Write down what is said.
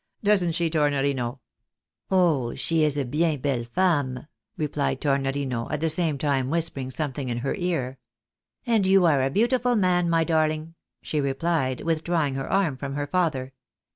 Doesn't she, Tornorino ?" "Oh! she is a bien belle fomme," rephed Tornorino, at the same time whispering something in her ear. "And you are a beautiful man, my darling," she replied, with drawing her arm from her father.